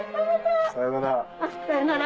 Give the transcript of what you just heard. さよなら。